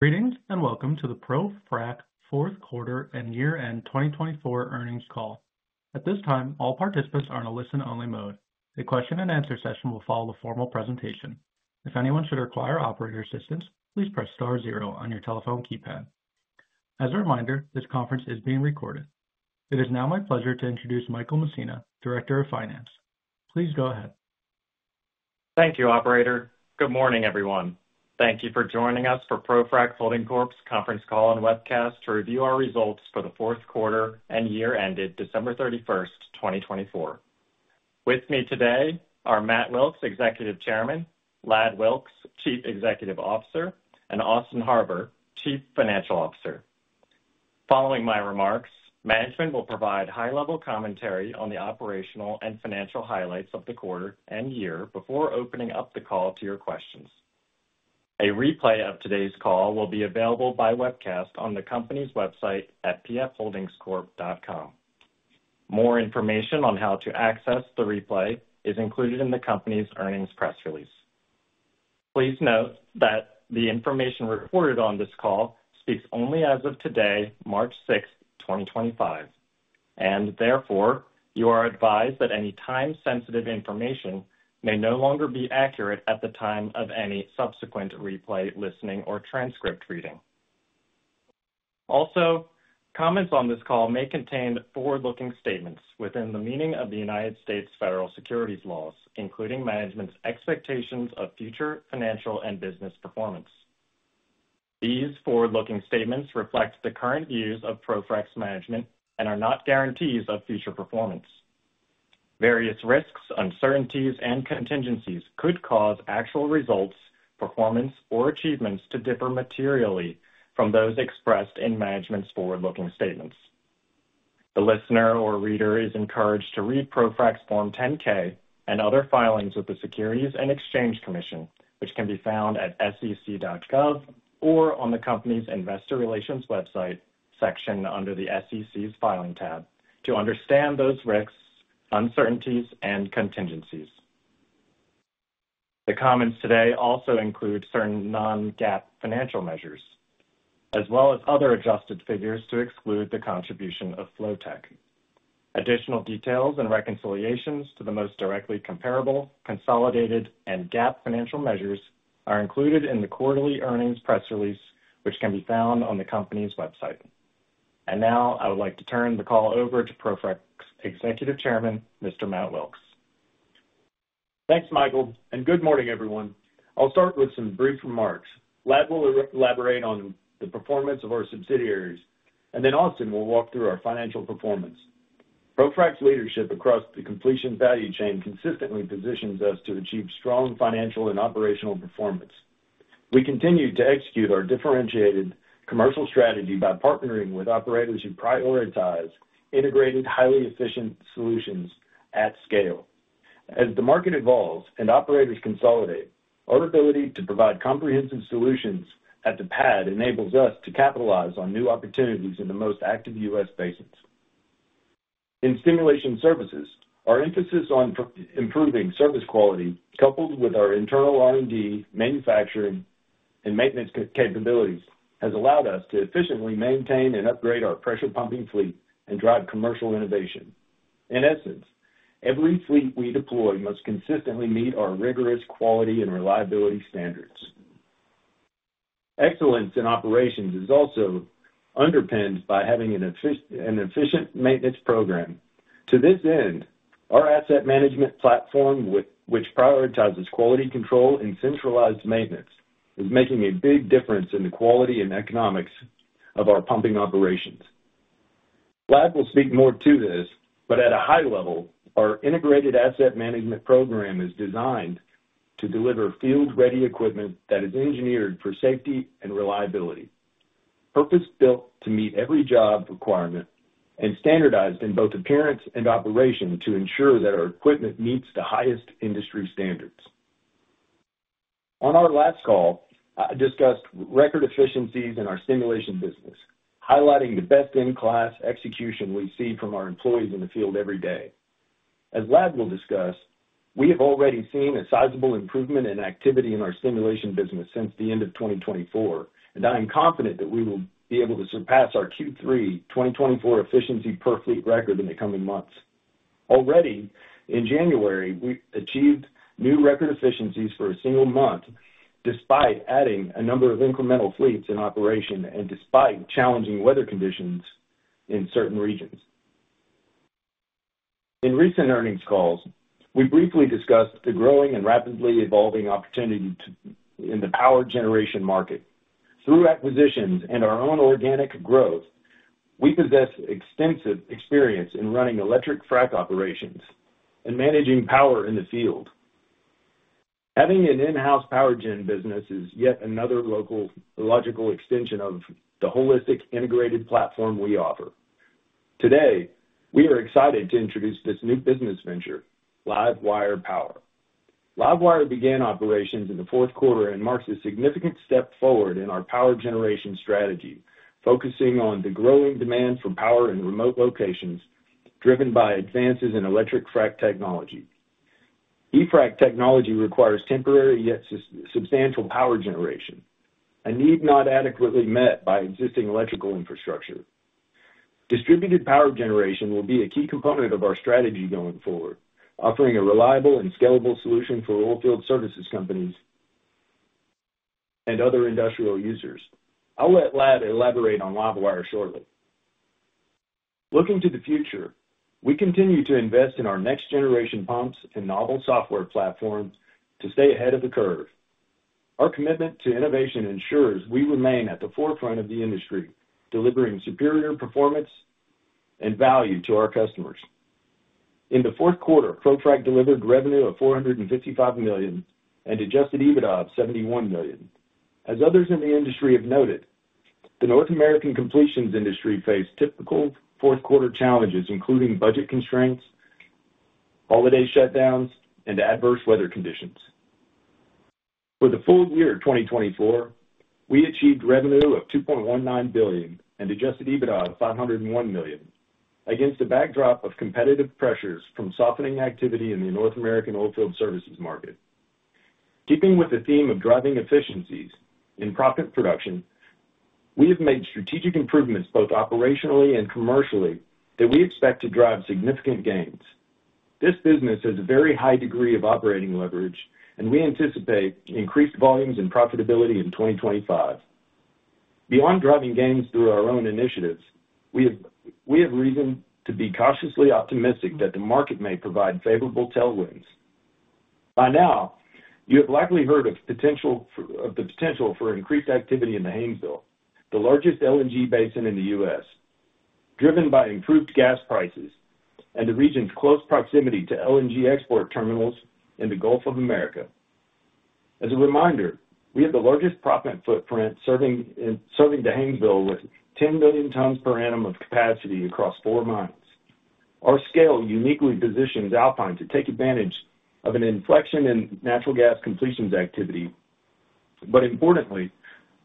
Greetings and welcome to the ProFrac Fourth Quarter and Year End 2024 Earnings Call. At this time, all participants are in a listen-only mode. A Q&A session will follow the formal presentation. If anyone should require operator assistance, please press star zero on your telephone keypad. As a reminder, this conference is being recorded. It is now my pleasure to introduce Michael Messina, Director of Finance. Please go ahead. Thank you, Operator. Good morning, everyone. Thank you for joining us for ProFrac Holding Corp.'s conference call and webcast to review our results for the fourth quarter and year ended December 31st, 2024. With me today are Matt Wilks, Executive Chairman; Ladd Wilks, Chief Executive Officer; and Austin Harbour, Chief Financial Officer. Following my remarks, management will provide high-level commentary on the operational and financial highlights of the quarter and year before opening up the call to your questions. A replay of today's call will be available by webcast on the company's website at pfholdingscorp.com. More information on how to access the replay is included in the company's earnings press release. Please note that the information reported on this call speaks only as of today, March 6th, 2025, and therefore you are advised that any time-sensitive information may no longer be accurate at the time of any subsequent replay, listening, or transcript reading. Also, comments on this call may contain forward-looking statements within the meaning of the U.S. Federal Securities Laws, including management's expectations of future financial and business performance. These forward-looking statements reflect the current views of ProFrac's management and are not guarantees of future performance. Various risks, uncertainties, and contingencies could cause actual results, performance, or achievements to differ materially from those expressed in management's forward-looking statements. The listener or reader is encouraged to read ProFrac's Form 10-K and other filings with the Securities and Exchange Commission, which can be found at sec.gov or on the company's Investor Relations website, section under the SEC's filing tab, to understand those risks, uncertainties, and contingencies. The comments today also include certain non-GAAP financial measures, as well as other adjusted figures to exclude the contribution of Flotek. Additional details and reconciliations to the most directly comparable, consolidated, and GAAP financial measures are included in the quarterly earnings press release, which can be found on the company's website. I would like to turn the call over to ProFrac's Executive Chairman, Mr. Matt Wilks. Thanks, Michael, and good morning, everyone. I'll start with some brief remarks. Ladd will elaborate on the performance of our subsidiaries, and then Austin will walk through our financial performance. ProFrac's leadership across the completion value chain consistently positions us to achieve strong financial and operational performance. We continue to execute our differentiated commercial strategy by partnering with operators who prioritize integrated, highly efficient solutions at scale. As the market evolves and operators consolidate, our ability to provide comprehensive solutions at the pad enables us to capitalize on new opportunities in the most active U.S. basins. In stimulation services, our emphasis on improving service quality, coupled with our internal R&D, manufacturing, and maintenance capabilities, has allowed us to efficiently maintain and upgrade our pressure pumping fleet and drive commercial innovation. In essence, every fleet we deploy must consistently meet our rigorous quality and reliability standards. Excellence in operations is also underpinned by having an efficient maintenance program. To this end, our asset management platform, which prioritizes quality control and centralized maintenance, is making a big difference in the quality and economics of our pumping operations. Ladd will speak more to this, but at a high level, our integrated asset management program is designed to deliver field-ready equipment that is engineered for safety and reliability, purpose-built to meet every job requirement, and standardized in both appearance and operation to ensure that our equipment meets the highest industry standards. On our last call, I discussed record efficiencies in our stimulation business, highlighting the best-in-class execution we see from our employees in the field every day. As Ladd will discuss, we have already seen a sizable improvement in activity in our stimulation business since the end of 2024, and I am confident that we will be able to surpass our Q3 2024 efficiency per fleet record in the coming months. Already in January, we achieved new record efficiencies for a single month despite adding a number of incremental fleets in operation and despite challenging weather conditions in certain regions. In recent earnings calls, we briefly discussed the growing and rapidly evolving opportunity in the power generation market. Through acquisitions and our own organic growth, we possess extensive experience in running electric frac operations and managing power in the field. Having an in-house power gen business is yet another logical extension of the holistic integrated platform we offer. Today, we are excited to introduce this new business venture, Livewire Power. Livewire began operations in the fourth quarter and marks a significant step forward in our power generation strategy, focusing on the growing demand for power in remote locations driven by advances in electric frac technology. EFRAC technology requires temporary yet substantial power generation, a need not adequately met by existing electrical infrastructure. Distributed power generation will be a key component of our strategy going forward, offering a reliable and scalable solution for oilfield services companies and other industrial users. I'll let Ladd elaborate on Livewire shortly. Looking to the future, we continue to invest in our next-generation pumps and novel software platforms to stay ahead of the curve. Our commitment to innovation ensures we remain at the forefront of the industry, delivering superior performance and value to our customers. In the fourth quarter, ProFrac delivered revenue of $455 million and Adjusted EBITDA of $71 million. As others in the industry have noted, the North American completions industry faced typical fourth-quarter challenges, including budget constraints, holiday shutdowns, and adverse weather conditions. For the full year of 2024, we achieved revenue of $2.19 billion and adjusted EBITDA of $501 million, against a backdrop of competitive pressures from softening activity in the North American oilfield services market. Keeping with the theme of driving efficiencies in profit production, we have made strategic improvements both operationally and commercially that we expect to drive significant gains. This business has a very high degree of operating leverage, and we anticipate increased volumes and profitability in 2025. Beyond driving gains through our own initiatives, we have reason to be cautiously optimistic that the market may provide favorable tailwinds. By now, you have likely heard of the potential for increased activity in the Haynesville, the largest LNG basin in the U.S., driven by improved gas prices and the region's close proximity to LNG export terminals in the Gulf Coast. As a reminder, we have the largest proppant footprint serving the Haynesville with 10 million tons per annum of capacity across four mines. Our scale uniquely positions Alpine to take advantage of an inflection in natural gas completions activity. Importantly,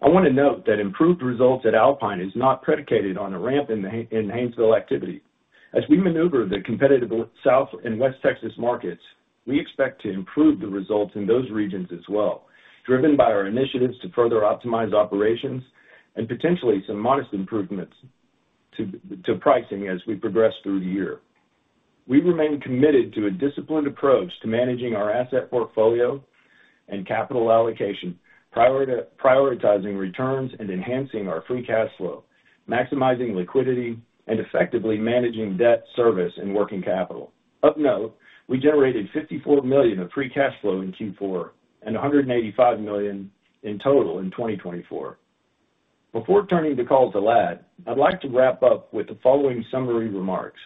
I want to note that improved results at Alpine are not predicated on a ramp in the Haynesville activity. As we maneuver the competitive South and West Texas markets, we expect to improve the results in those regions as well, driven by our initiatives to further optimize operations and potentially some modest improvements to pricing as we progress through the year. We remain committed to a disciplined approach to managing our asset portfolio and capital allocation, prioritizing returns and enhancing our free cash flow, maximizing liquidity, and effectively managing debt, service, and working capital. Of note, we generated $54 million of free cash flow in Q4 and $185 million in total in 2024. Before turning the call to Ladd, I'd like to wrap up with the following summary remarks.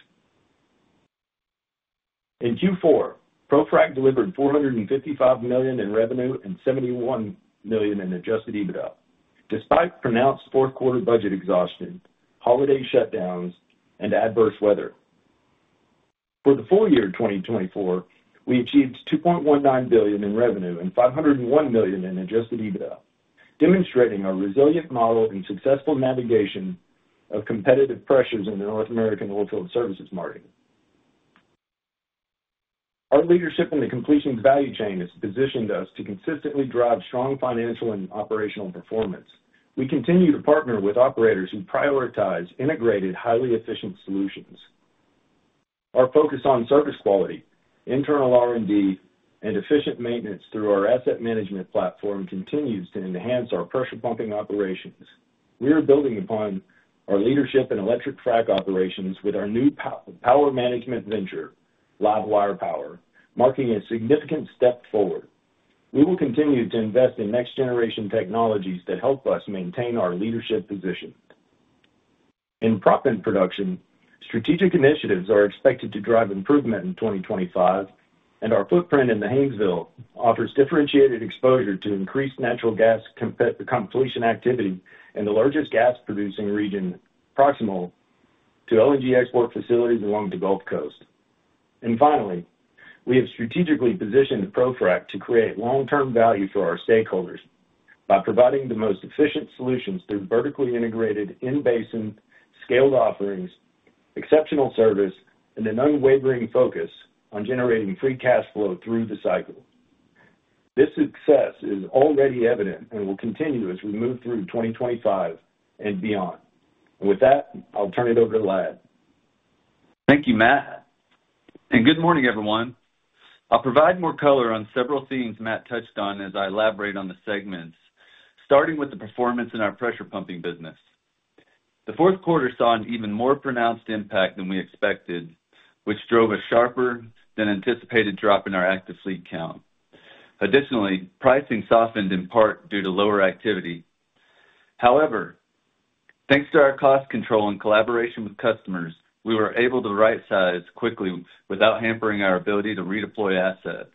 In Q4, ProFrac delivered $455 million in revenue and $71 million in adjusted EBITDA, despite pronounced fourth-quarter budget exhaustion, holiday shutdowns, and adverse weather. For the full year of 2024, we achieved $2.19 billion in revenue and $501 million in adjusted EBITDA, demonstrating our resilient model and successful navigation of competitive pressures in the North American oilfield services market. Our leadership in the completions value chain has positioned us to consistently drive strong financial and operational performance. We continue to partner with operators who prioritize integrated, highly efficient solutions. Our focus on service quality, internal R&D, and efficient maintenance through our asset management platform continues to enhance our pressure pumping operations. We are building upon our leadership in electric frac operations with our new power management venture, Livewire Power, marking a significant step forward. We will continue to invest in next-generation technologies that help us maintain our leadership position. In proppant production, strategic initiatives are expected to drive improvement in 2025, and our footprint in the Haynesville offers differentiated exposure to increased natural gas completion activity in the largest gas-producing region proximal to LNG export facilities along the Gulf Coast. Finally, we have strategically positioned ProFrac to create long-term value for our stakeholders by providing the most efficient solutions through vertically integrated in-basin scaled offerings, exceptional service, and an unwavering focus on generating free cash flow through the cycle. This success is already evident and will continue as we move through 2025 and beyond. With that, I'll turn it over to Ladd. Thank you, Matt. Good morning, everyone. I'll provide more color on several themes Matt touched on as I elaborate on the segments, starting with the performance in our pressure pumping business. The fourth quarter saw an even more pronounced impact than we expected, which drove a sharper than anticipated drop in our active fleet count. Additionally, pricing softened in part due to lower activity. However, thanks to our cost control and collaboration with customers, we were able to right-size quickly without hampering our ability to redeploy assets.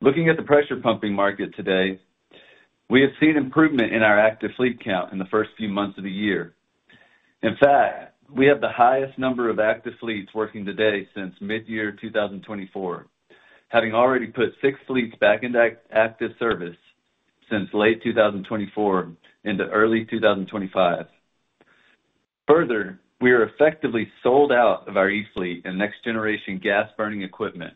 Looking at the pressure pumping market today, we have seen improvement in our active fleet count in the first few months of the year. In fact, we have the highest number of active fleets working today since mid-year 2024, having already put six fleets back into active service since late 2024 into early 2025. Further, we are effectively sold out of our e-frac fleet and next-generation gas-burning equipment.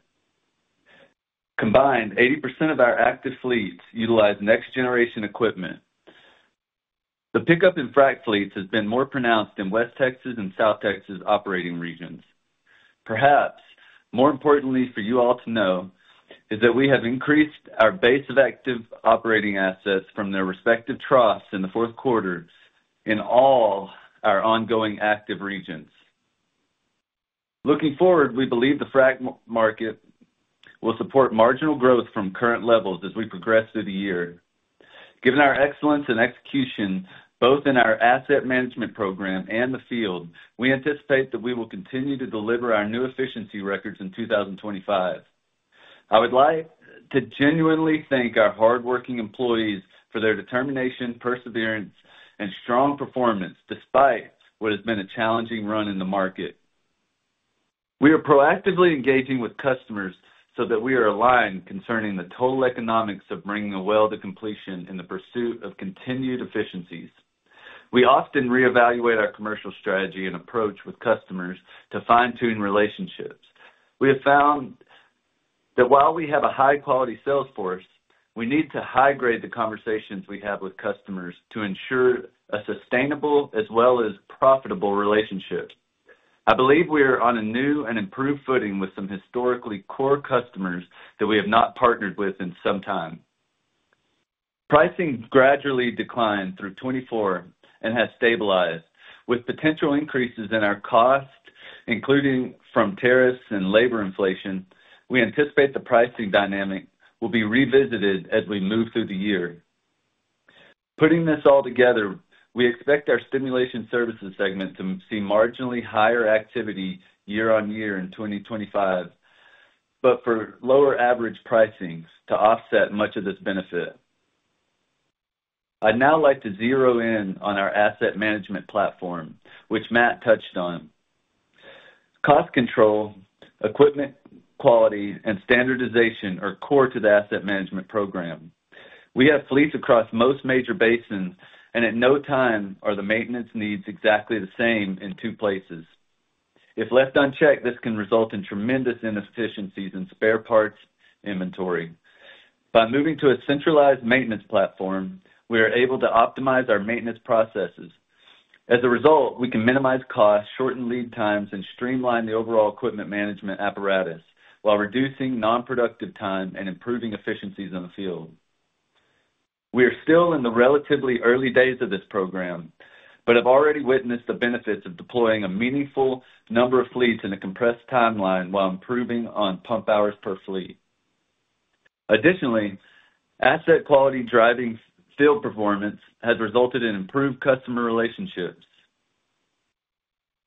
Combined, 80% of our active fleets utilize next-generation equipment. The pickup in e-frac fleets has been more pronounced in West Texas and South Texas operating regions. Perhaps more importantly for you all to know is that we have increased our base of active operating assets from their respective troughs in the fourth quarter in all our ongoing active regions. Looking forward, we believe the frac market will support marginal growth from current levels as we progress through the year. Given our excellence and execution both in our asset management program and the field, we anticipate that we will continue to deliver our new efficiency records in 2025. I would like to genuinely thank our hardworking employees for their determination, perseverance, and strong performance despite what has been a challenging run in the market. We are proactively engaging with customers so that we are aligned concerning the total economics of bringing a well to completion in the pursuit of continued efficiencies. We often reevaluate our commercial strategy and approach with customers to fine-tune relationships. We have found that while we have a high-quality salesforce, we need to high-grade the conversations we have with customers to ensure a sustainable as well as profitable relationship. I believe we are on a new and improved footing with some historically core customers that we have not partnered with in some time. Pricing gradually declined through 2024 and has stabilized. With potential increases in our cost, including from tariffs and labor inflation, we anticipate the pricing dynamic will be revisited as we move through the year. Putting this all together, we expect our Stimulation services segment to see marginally higher activity year-on-year in 2025, but for lower average pricing to offset much of this benefit. I'd now like to zero in on our asset management platform, which Matt touched on. Cost control, equipment, quality, and standardization are core to the asset management program. We have fleets across most major basins, and at no time are the maintenance needs exactly the same in two places. If left unchecked, this can result in tremendous inefficiencies in spare parts inventory. By moving to a centralized maintenance platform, we are able to optimize our maintenance processes. As a result, we can minimize costs, shorten lead times, and streamline the overall equipment management apparatus while reducing non-productive time and improving efficiencies in the field. We are still in the relatively early days of this program, but have already witnessed the benefits of deploying a meaningful number of fleets in a compressed timeline while improving on pump hours per fleet. Additionally, asset quality driving field performance has resulted in improved customer relationships.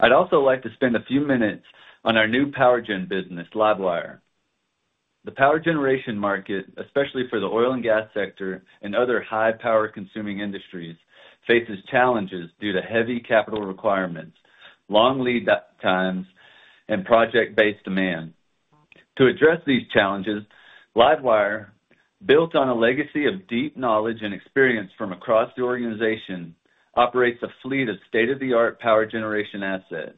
I'd also like to spend a few minutes on our new power gen business, Livewire. The power generation market, especially for the oil and gas sector and other high-power-consuming industries, faces challenges due to heavy capital requirements, long lead times, and project-based demand. To address these challenges, Livewire, built on a legacy of deep knowledge and experience from across the organization, operates a fleet of state-of-the-art power generation assets,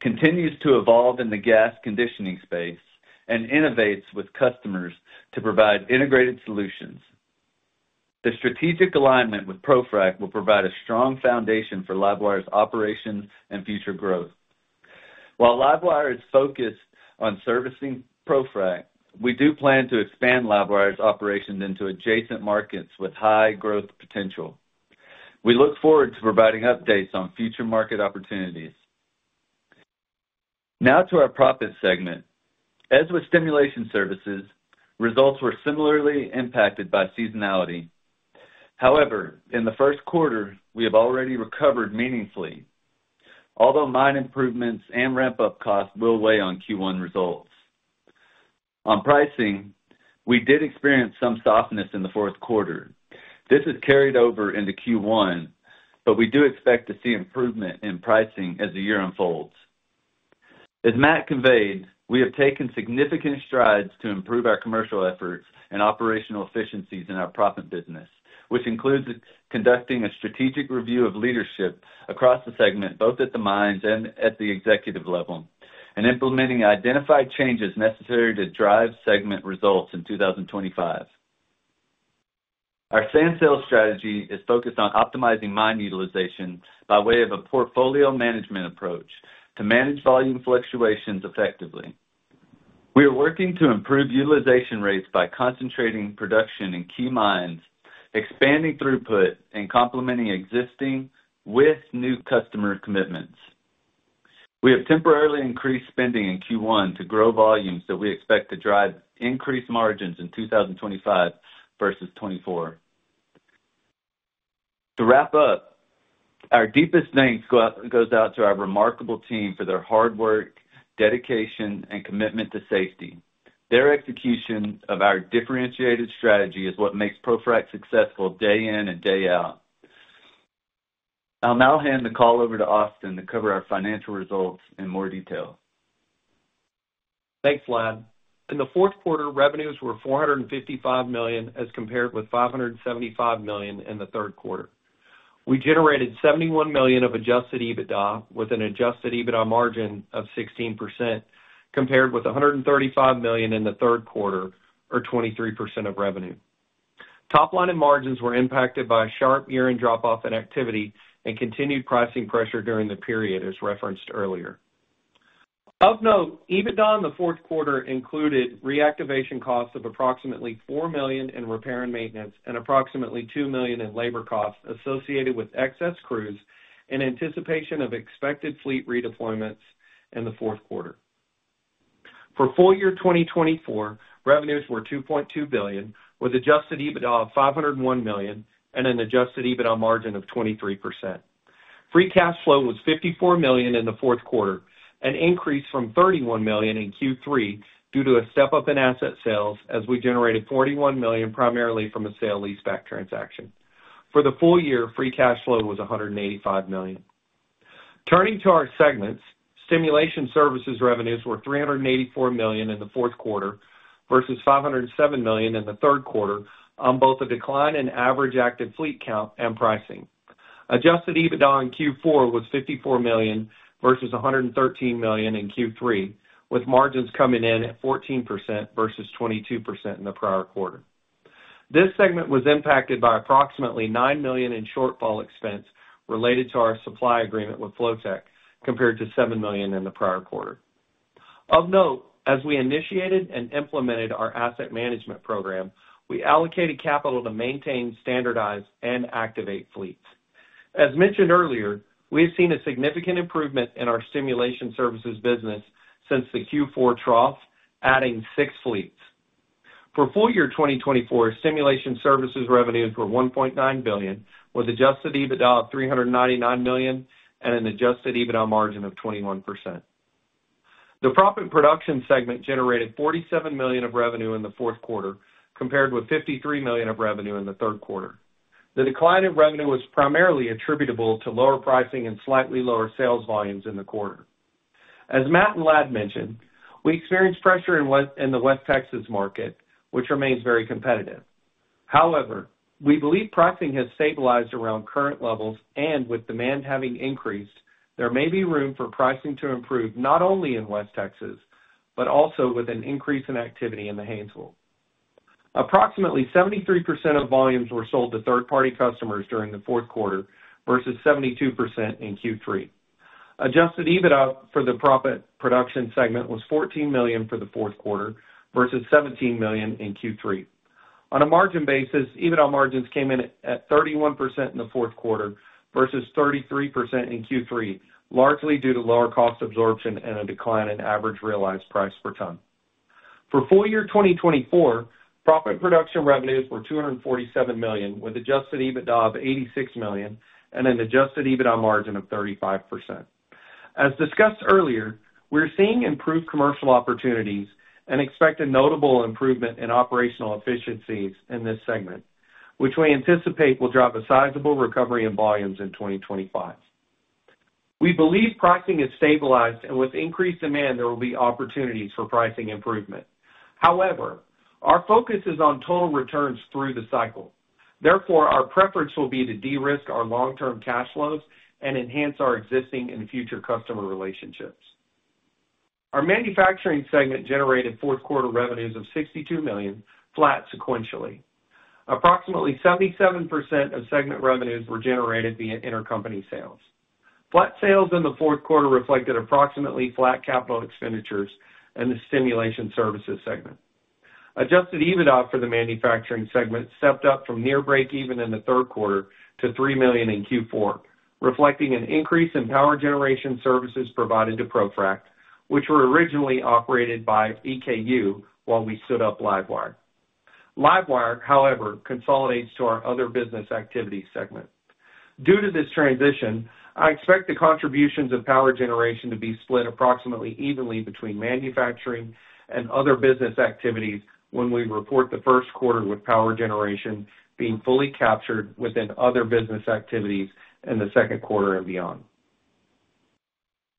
continues to evolve in the gas conditioning space, and innovates with customers to provide integrated solutions. The strategic alignment with ProFrac will provide a strong foundation for Livewire's operations and future growth. While Livewire is focused on servicing ProFrac, we do plan to expand Livewire's operations into adjacent markets with high growth potential. We look forward to providing updates on future market opportunities. Now to our proppant segment. As with stimulation services, results were similarly impacted by seasonality. However, in the first quarter, we have already recovered meaningfully, although mine improvements and ramp-up costs will weigh on Q1 results. On pricing, we did experience some softness in the fourth quarter. This has carried over into Q1, but we do expect to see improvement in pricing as the year unfolds. As Matt conveyed, we have taken significant strides to improve our commercial efforts and operational efficiencies in our proppant business, which includes conducting a strategic review of leadership across the segment, both at the mines and at the executive level, and implementing identified changes necessary to drive segment results in 2025. Our sand sales strategy is focused on optimizing mine utilization by way of a portfolio management approach to manage volume fluctuations effectively. We are working to improve utilization rates by concentrating production in key mines, expanding throughput, and complementing existing with new customer commitments. We have temporarily increased spending in Q1 to grow volumes that we expect to drive increased margins in 2025 versus 2024. To wrap up, our deepest thanks goes out to our remarkable team for their hard work, dedication, and commitment to safety. Their execution of our differentiated strategy is what makes ProFrac successful day in and day out. I'll now hand the call over to Austin to cover our financial results in more detail. Thanks, Ladd. In the fourth quarter, revenues were $455 million as compared with $575 million in the third quarter. We generated $71 million of adjusted EBITDA with an adjusted EBITDA margin of 16% compared with $135 million in the third quarter or 23% of revenue. Top-line margins were impacted by sharp year-end drop-off in activity and continued pricing pressure during the period, as referenced earlier. Of note, EBITDA in the fourth quarter included reactivation costs of approximately $4 million in repair and maintenance and approximately $2 million in labor costs associated with excess crews in anticipation of expected fleet redeployments in the fourth quarter. For full year 2024, revenues were $2.2 billion with adjusted EBITDA of $501 million and an adjusted EBITDA margin of 23%. Free cash flow was $54 million in the fourth quarter, an increase from $31 million in Q3 due to a step-up in asset sales as we generated $41 million primarily from a sale lease-back transaction. For the full year, free cash flow was $185 million. Turning to our segments, stimulation services revenues were $384 million in the fourth quarter versus $507 million in the third quarter on both a decline in average active fleet count and pricing. Adjusted EBITDA in Q4 was $54 million versus $113 million in Q3, with margins coming in at 14% versus 22% in the prior quarter. This segment was impacted by approximately $9 million in shortfall expense related to our supply agreement with Flotek compared to $7 million in the prior quarter. Of note, as we initiated and implemented our asset management program, we allocated capital to maintain, standardize, and activate fleets. As mentioned earlier, we have seen a significant improvement in our stimulation services business since the Q4 trough, adding six fleets. For full year 2024, stimulation services revenues were $1.9 billion with adjusted EBITDA of $399 million and an adjusted EBITDA margin of 21%. The proppant production segment generated $47 million of revenue in the fourth quarter compared with $53 million of revenue in the third quarter. The decline in revenue was primarily attributable to lower pricing and slightly lower sales volumes in the quarter. As Matt and Ladd mentioned, we experienced pressure in the West Texas market, which remains very competitive. However, we believe pricing has stabilized around current levels, and with demand having increased, there may be room for pricing to improve not only in West Texas but also with an increase in activity in the Haynesville. Approximately 73% of volumes were sold to third-party customers during the fourth quarter versus 72% in Q3. Adjusted EBITDA for the proppant production segment was $14 million for the fourth quarter versus $17 million in Q3. On a margin basis, EBITDA margins came in at 31% in the fourth quarter versus 33% in Q3, largely due to lower cost absorption and a decline in average realized price per ton. For full year 2024, proppant production revenues were $247 million with adjusted EBITDA of $86 million and an adjusted EBITDA margin of 35%. As discussed earlier, we are seeing improved commercial opportunities and expect a notable improvement in operational efficiencies in this segment, which we anticipate will drive a sizable recovery in volumes in 2025. We believe pricing has stabilized, and with increased demand, there will be opportunities for pricing improvement. However, our focus is on total returns through the cycle. Therefore, our preference will be to de-risk our long-term cash flows and enhance our existing and future customer relationships. Our Manufacturing segment generated fourth quarter revenues of $62 million flat sequentially. Approximately 77% of segment revenues were generated via intercompany sales. Flat sales in the fourth quarter reflected approximately flat capital expenditures in the Stimulation services segment. Adjusted EBITDA for the Manufacturing segment stepped up from near break-even in the third quarter to $3 million in Q4, reflecting an increase in power generation services provided to ProFrac, which were originally operated by EKU while we stood up Livewire. Livewire, however, consolidates to our other business activity segment. Due to this transition, I expect the contributions of power generation to be split approximately evenly between manufacturing and other business activities when we report the first quarter with power generation being fully captured within other business activities in the second quarter and beyond.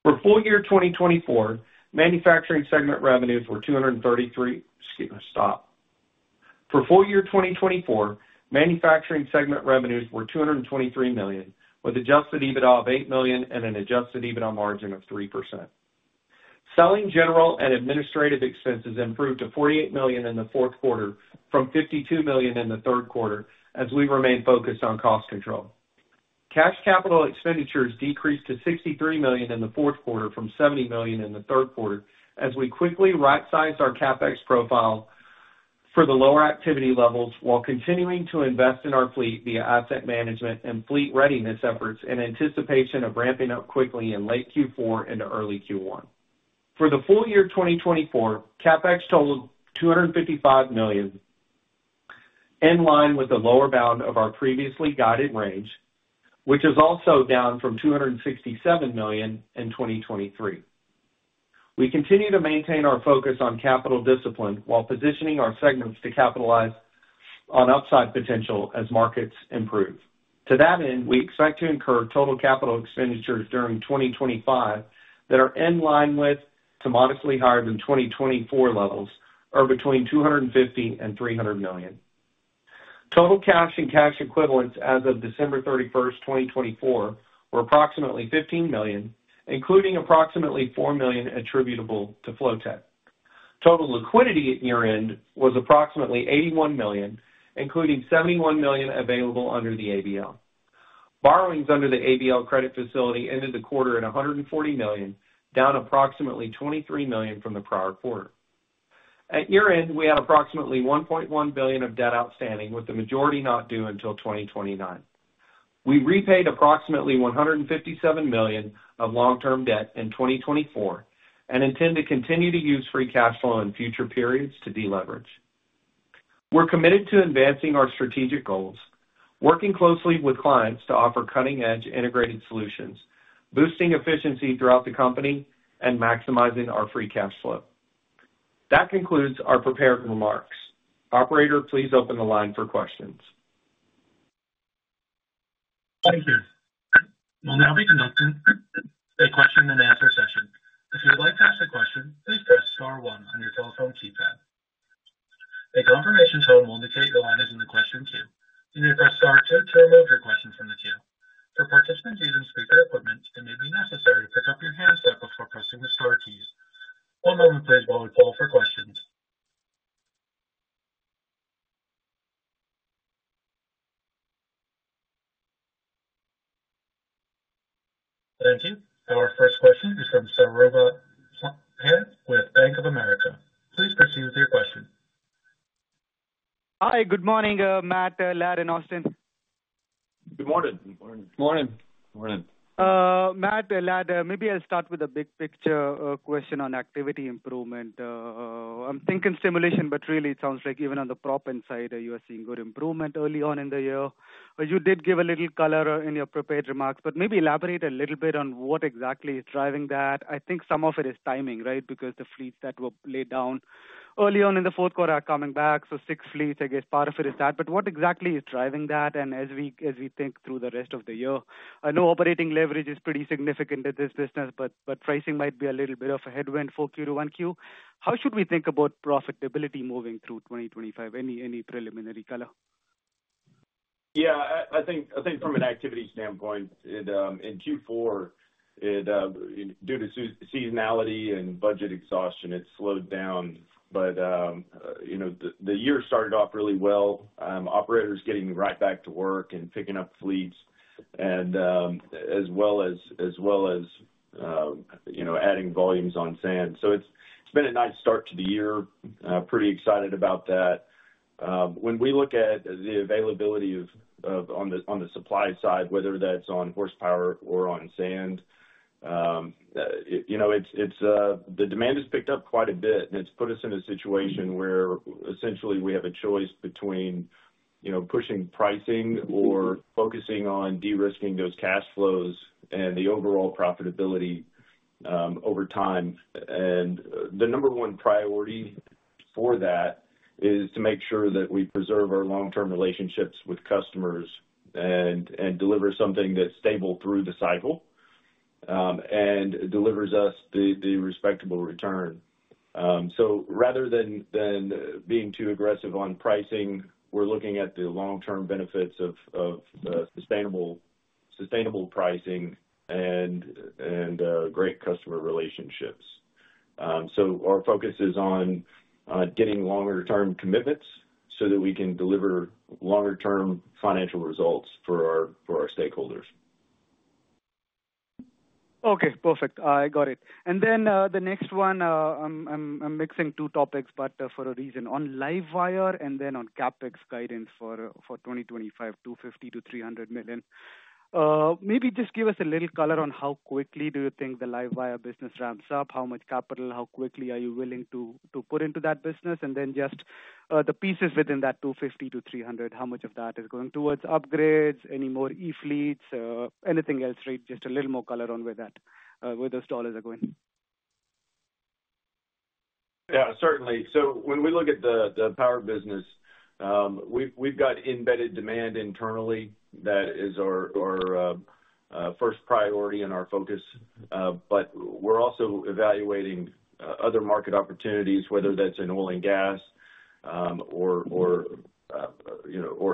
For full year 2024, manufacturing segment revenues were $223 million with adjusted EBITDA of $8 million and an adjusted EBITDA margin of 3%. Selling general and administrative expenses improved to $48 million in the fourth quarter from $52 million in the third quarter as we remain focused on cost control. Cash capital expenditures decreased to $63 million in the fourth quarter from $70 million in the third quarter as we quickly right-sized our CapEx profile for the lower activity levels while continuing to invest in our fleet via asset management and fleet readiness efforts in anticipation of ramping up quickly in late Q4 into early Q1. For the full year 2024, CapEx totaled $255 million, in line with the lower bound of our previously guided range, which is also down from $267 million in 2023. We continue to maintain our focus on capital discipline while positioning our segments to capitalize on upside potential as markets improve. To that end, we expect to incur total capital expenditures during 2025 that are in line with to modestly higher than 2024 levels or between $250 million-$300 million. Total cash and cash equivalents as of December 31, 2024, were approximately $15 million, including approximately $4 million attributable to Flotek. Total liquidity at year-end was approximately $81 million, including $71 million available under the ABL. Borrowings under the ABL credit facility ended the quarter at $140 million, down approximately $23 million from the prior quarter. At year-end, we had approximately $1.1 billion of debt outstanding, with the majority not due until 2029. We repaid approximately $157 million of long-term debt in 2024 and intend to continue to use free cash flow in future periods to deleverage. We're committed to advancing our strategic goals, working closely with clients to offer cutting-edge integrated solutions, boosting efficiency throughout the company, and maximizing our free cash flow. That concludes our prepared remarks. Operator, please open the line for questions. Thank you. We will now be conducting a question-and-answer session. If you would like to ask a question, please press star one on your telephone keypad. A confirmation tone will indicate the line is in the question queue. You may press star two to remove your question from the queue. For participants using speaker equipment, it may be necessary to pick up your handset before pressing the star keys. One moment, please, while we pull for questions. Thank you. Our first question is from Saurabh Pant with Bank of America. Please proceed with your question. Hi. Good morning, Matt, Ladd, and Austin. Good morning. Good morning. Good morning. Good morning. Matt, Ladd, maybe I'll start with a big picture question on activity improvement. I'm thinking stimulation, but really, it sounds like even on the prop inside, you are seeing good improvement early on in the year. You did give a little color in your prepared remarks, but maybe elaborate a little bit on what exactly is driving that. I think some of it is timing, right, because the fleets that were laid down early on in the fourth quarter are coming back. Six fleets, I guess part of it is that. What exactly is driving that? As we think through the rest of the year, I know operating leverage is pretty significant in this business, but pricing might be a little bit of a headwind for Q2 and Q1. How should we think about profitability moving through 2025? Any preliminary color? Yeah. I think from an activity standpoint, in Q4, due to seasonality and budget exhaustion, it slowed down. The year started off really well. Operators getting right back to work and picking up fleets, as well as adding volumes on sand. It has been a nice start to the year. Pretty excited about that. When we look at the availability on the supply side, whether that is on horsepower or on sand, the demand has picked up quite a bit, and it has put us in a situation where essentially we have a choice between pushing pricing or focusing on de-risking those cash flows and the overall profitability over time. The number one priority for that is to make sure that we preserve our long-term relationships with customers and deliver something that is stable through the cycle and delivers us the respectable return. Rather than being too aggressive on pricing, we're looking at the long-term benefits of sustainable pricing and great customer relationships. Our focus is on getting longer-term commitments so that we can deliver longer-term financial results for our stakeholders. Okay. Perfect. I got it. The next one, I'm mixing two topics, but for a reason. On Livewire and then on CapEx guidance for 2025, $250 million-$300 million. Maybe just give us a little color on how quickly do you think the Livewire business ramps up, how much capital, how quickly are you willing to put into that business? Just the pieces within that $250 million-$300 million, how much of that is going towards upgrades, any more e-fleets, anything else, right? Just a little more color on where those dollars are going. Yeah, certainly. When we look at the power business, we've got embedded demand internally. That is our first priority and our focus. We're also evaluating other market opportunities, whether that's in oil and gas or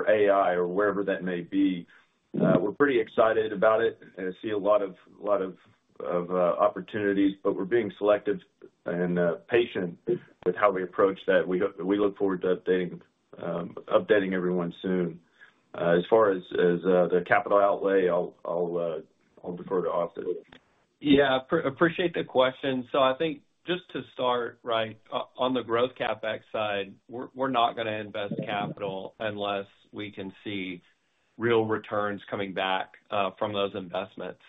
AI or wherever that may be. We're pretty excited about it and see a lot of opportunities, but we're being selective and patient with how we approach that. We look forward to updating everyone soon. As far as the capital outlay, I'll defer to Austin. Yeah. Appreciate the question. I think just to start, right, on the growth CapEx side, we're not going to invest capital unless we can see real returns coming back from those investments,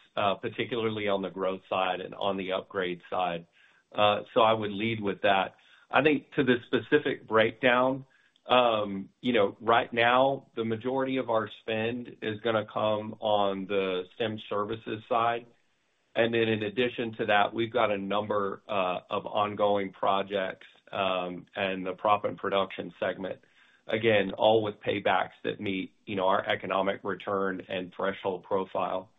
particularly on the growth side and on the upgrade side. I would lead with that. I think to the specific breakdown, right now, the majority of our spend is going to come on the stimulation services side. In addition to that, we've got a number of ongoing projects in the proppant production segment, again, all with paybacks that meet our economic return and threshold profile.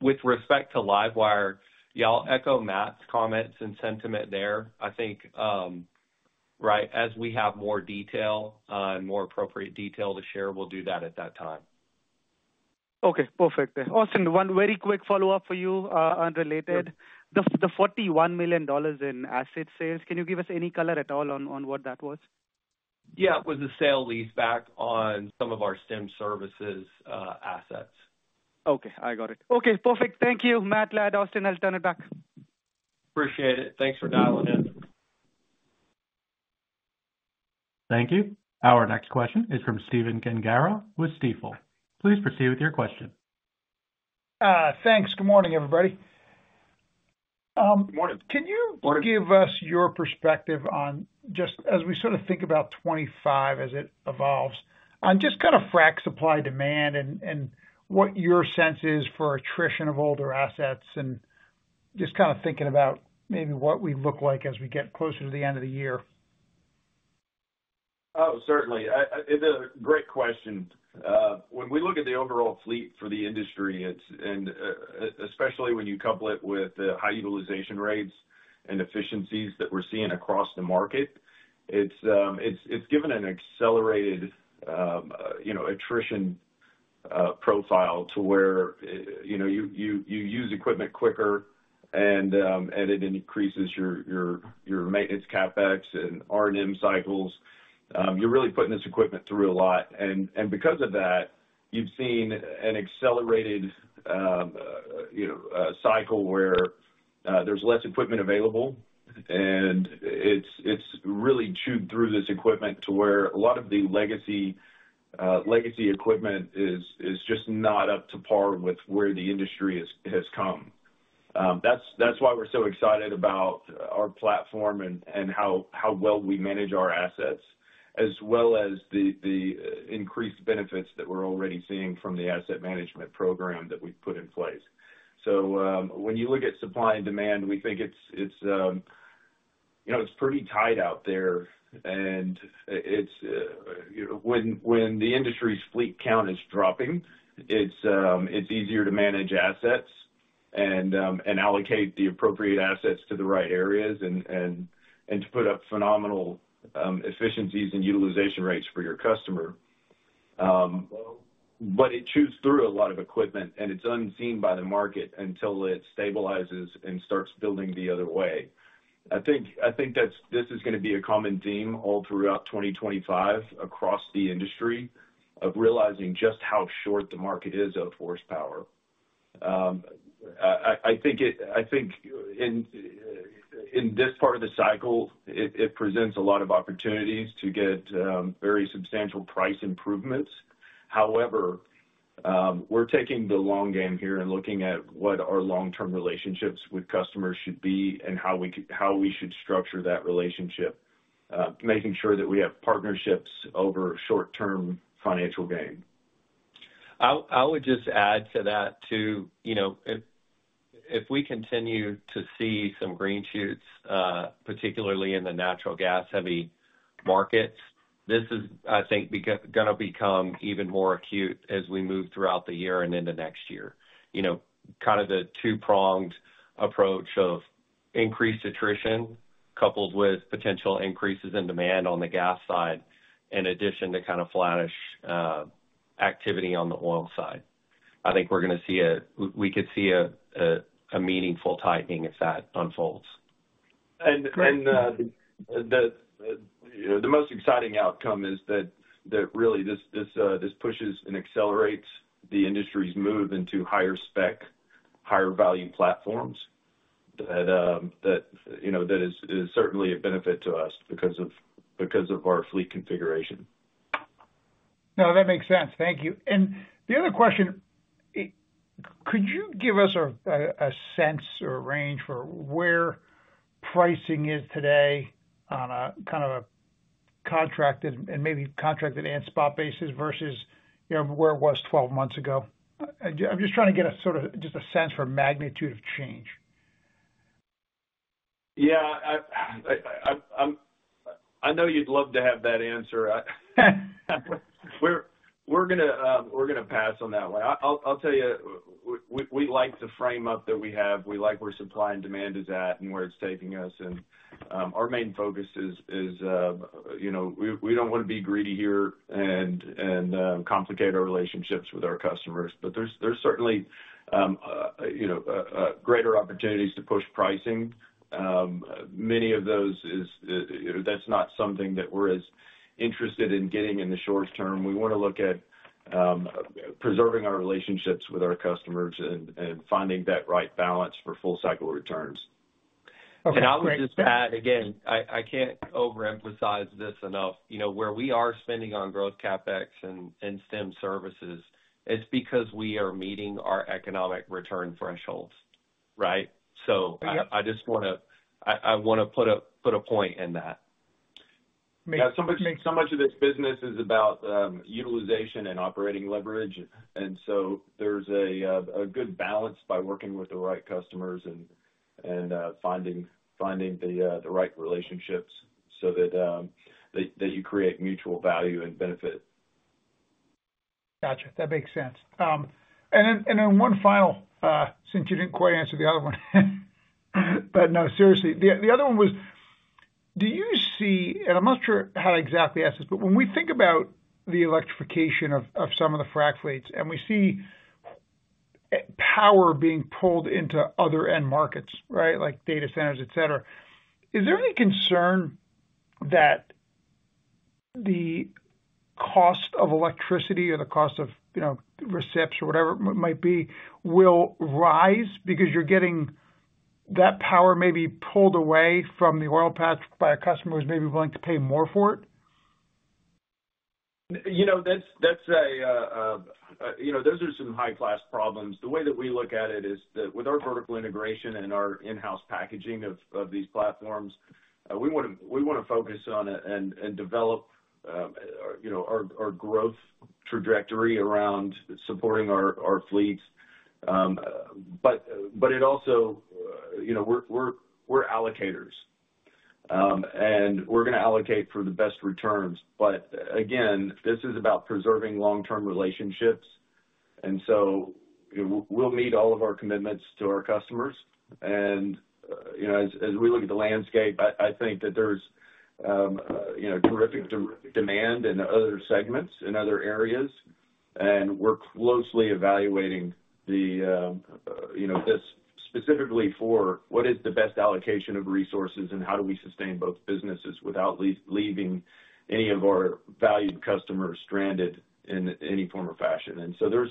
With respect to Livewire, I echo Matt's comments and sentiment there. I think, right, as we have more detail and more appropriate detail to share, we'll do that at that time. Okay. Perfect. Austin, one very quick follow-up for you unrelated. The $41 million in asset sales, can you give us any color at all on what that was? Yeah. It was the sale lease back on some of our Stimulation Services assets. Okay. I got it. Okay. Perfect. Thank you, Matt, Ladd, Austin. I'll turn it back. Appreciate it. Thanks for dialing in. Thank you. Our next question is from Stephen Gengaro with Stifel. Please proceed with your question. Thanks. Good morning, everybody. Good morning. Can you give us your perspective on just as we sort of think about 2025 as it evolves on just kind of frac supply demand and what your sense is for attrition of older assets and just kind of thinking about maybe what we look like as we get closer to the end of the year? Oh, certainly. It's a great question. When we look at the overall fleet for the industry, and especially when you couple it with the high utilization rates and efficiencies that we're seeing across the market, it's given an accelerated attrition profile to where you use equipment quicker, and it increases your maintenance CapEx and R&M cycles. You're really putting this equipment through a lot. Because of that, you've seen an accelerated cycle where there's less equipment available, and it's really chewed through this equipment to where a lot of the legacy equipment is just not up to par with where the industry has come. That's why we're so excited about our platform and how well we manage our assets, as well as the increased benefits that we're already seeing from the asset management program that we've put in place. When you look at supply and demand, we think it's pretty tied out there. When the industry's fleet count is dropping, it's easier to manage assets and allocate the appropriate assets to the right areas and to put up phenomenal efficiencies and utilization rates for your customer. It chews through a lot of equipment, and it's unseen by the market until it stabilizes and starts building the other way. I think this is going to be a common theme all throughout 2025 across the industry of realizing just how short the market is of horsepower. I think in this part of the cycle, it presents a lot of opportunities to get very substantial price improvements. However, we're taking the long game here and looking at what our long-term relationships with customers should be and how we should structure that relationship, making sure that we have partnerships over short-term financial gain. I would just add to that, too. If we continue to see some green shoots, particularly in the natural gas-heavy markets, this is, I think, going to become even more acute as we move throughout the year and into next year. Kind of the two-pronged approach of increased attrition coupled with potential increases in demand on the gas side, in addition to kind of flattish activity on the oil side. I think we could see a meaningful tightening if that unfolds. The most exciting outcome is that really this pushes and accelerates the industry's move into higher spec, higher value platforms that is certainly a benefit to us because of our fleet configuration. No, that makes sense. Thank you. The other question, could you give us a sense or a range for where pricing is today on kind of a contracted and maybe contracted and spot basis versus where it was 12 months ago? I'm just trying to get sort of just a sense for magnitude of change. Yeah. I know you'd love to have that answer. We're going to pass on that one. I'll tell you, we like the frame up that we have. We like where supply and demand is at and where it's taking us. Our main focus is we don't want to be greedy here and complicate our relationships with our customers. There's certainly greater opportunities to push pricing. Many of those, that's not something that we're as interested in getting in the short term. We want to look at preserving our relationships with our customers and finding that right balance for full-cycle returns. I would just add, again, I can't overemphasize this enough. Where we are spending on growth CapEx and Stimulation Services, it's because we are meeting our economic return thresholds, right? I just want to put a point in that. Much of this business is about utilization and operating leverage. There is a good balance by working with the right customers and finding the right relationships so that you create mutual value and benefit. Gotcha. That makes sense. One final, since you did not quite answer the other one, but no, seriously. The other one was, do you see, and I am not sure how to exactly ask this, but when we think about the electrification of some of the frac fleets and we see power being pulled into other end markets, right, like data centers, etc., is there any concern that the cost of electricity or the cost of recepts or whatever it might be will rise because you are getting that power maybe pulled away from the oil patch by a customer who is maybe willing to pay more for it? Those are some high-class problems. The way that we look at it is that with our vertical integration and our in-house packaging of these platforms, we want to focus on and develop our growth trajectory around supporting our fleets. It also, we're allocators, and we're going to allocate for the best returns. This is about preserving long-term relationships. We will meet all of our commitments to our customers. As we look at the landscape, I think that there's terrific demand in other segments in other areas. We're closely evaluating this specifically for what is the best allocation of resources and how do we sustain both businesses without leaving any of our valued customers stranded in any form or fashion. There is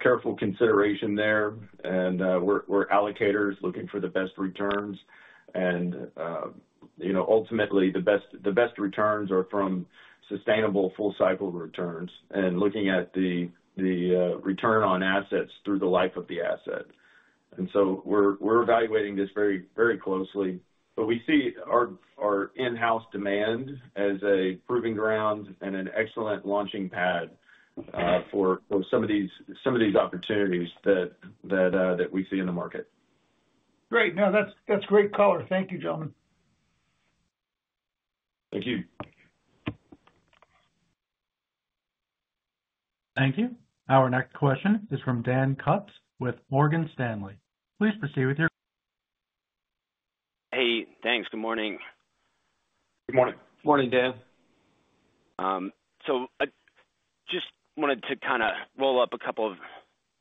careful consideration there. We're allocators looking for the best returns. Ultimately, the best returns are from sustainable full-cycle returns and looking at the return on assets through the life of the asset. We are evaluating this very closely. We see our in-house demand as a proving ground and an excellent launching pad for some of these opportunities that we see in the market. Great. No, that's great color. Thank you, gentlemen. Thank you. Thank you. Our next question is from Dan Kutz with Morgan Stanley. Please proceed with your question. Hey. Thanks. Good morning. Good morning. Good morning, Dan. Just wanted to kind of roll up a couple of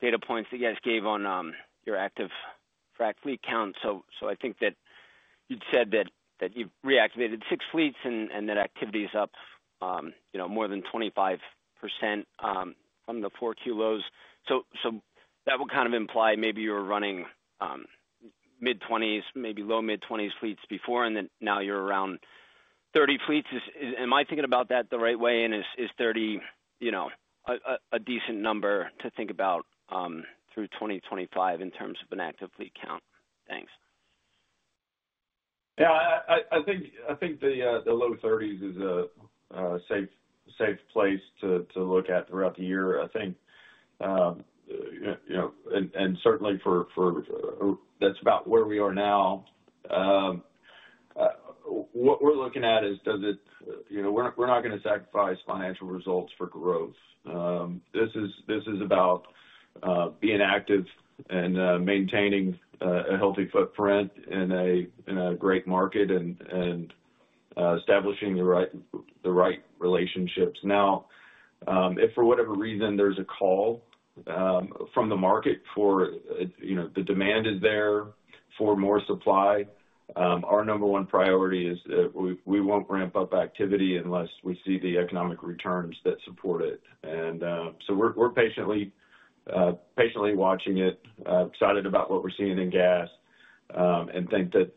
data points that you guys gave on your active frac fleet count. I think that you'd said that you've reactivated six fleets and that activity is up more than 25% from the four kilos. That would kind of imply maybe you were running mid-20s, maybe low mid-20s fleets before, and now you're around 30 fleets. Am I thinking about that the right way? Is 30 a decent number to think about through 2025 in terms of an active fleet count? Thanks. Yeah. I think the low 30s is a safe place to look at throughout the year, I think. Certainly, that's about where we are now. What we're looking at is, we're not going to sacrifice financial results for growth. This is about being active and maintaining a healthy footprint in a great market and establishing the right relationships. Now, if for whatever reason there's a call from the market, if the demand is there for more supply, our number one priority is that we won't ramp up activity unless we see the economic returns that support it. We are patiently watching it, excited about what we're seeing in gas, and think that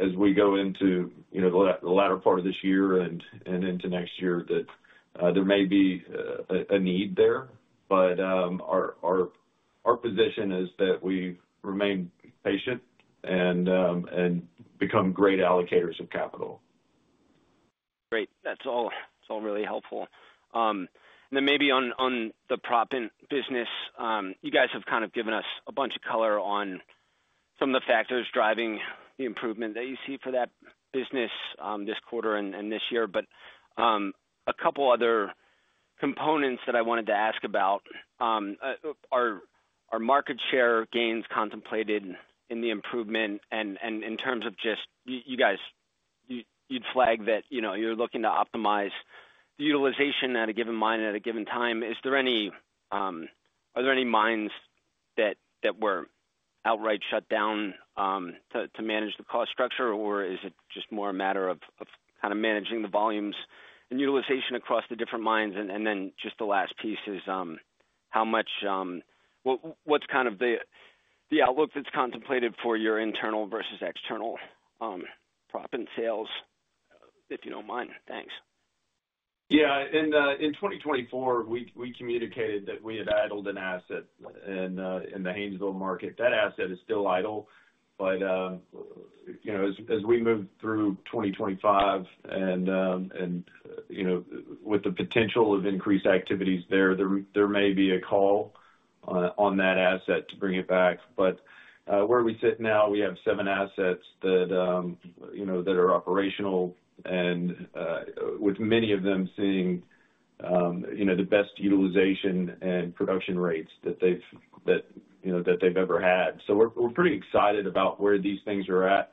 as we go into the latter part of this year and into next year, there may be a need there. Our position is that we remain patient and become great allocators of capital. Great. That's all really helpful. Maybe on the proppant business, you guys have kind of given us a bunch of color on some of the factors driving the improvement that you see for that business this quarter and this year. A couple of other components that I wanted to ask about, are market share gains contemplated in the improvement? In terms of just you guys, you'd flag that you're looking to optimize the utilization at a given mine at a given time. Is there any, are there any mines that were outright shut down to manage the cost structure, or is it just more a matter of kind of managing the volumes and utilization across the different mines? Just the last piece is how much what's kind of the outlook that's contemplated for your internal versus external prop and sales, if you don't mind? Thanks. Yeah. In 2024, we communicated that we had idled an asset in the Haynesville market. That asset is still idle. As we move through 2025 and with the potential of increased activities there, there may be a call on that asset to bring it back. Where we sit now, we have seven assets that are operational and with many of them seeing the best utilization and production rates that they've ever had. We are pretty excited about where these things are at.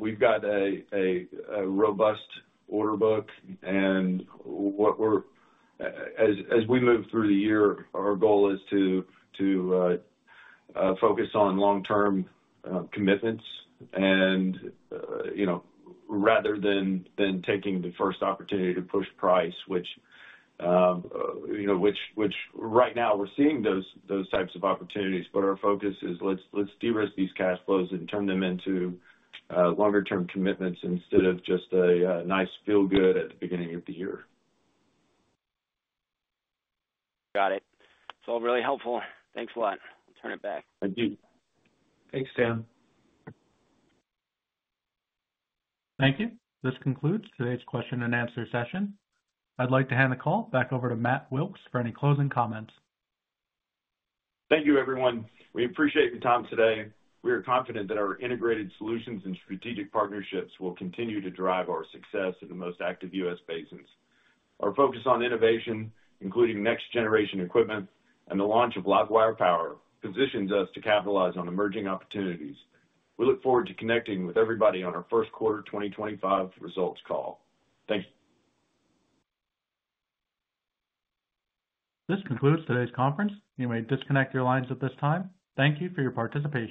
We have got a robust order book. As we move through the year, our goal is to focus on long-term commitments. Rather than taking the first opportunity to push price, which right now we're seeing those types of opportunities, our focus is let's de-risk these cash flows and turn them into longer-term commitments instead of just a nice feel-good at the beginning of the year. Got it. It's all really helpful. Thanks a lot. I'll turn it back. Thank you. Thanks, Dan. Thank you. This concludes today's question and answer session. I'd like to hand the call back over to Matt Wilks for any closing comments. Thank you, everyone. We appreciate your time today. We are confident that our integrated solutions and strategic partnerships will continue to drive our success in the most active U.S. basins. Our focus on innovation, including next-generation equipment and the launch of Livewire Power, positions us to capitalize on emerging opportunities. We look forward to connecting with everybody on our first quarter 2025 results call. Thank you. This concludes today's conference. You may disconnect your lines at this time. Thank you for your participation.